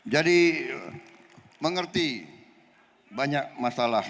jadi mengerti banyak masalah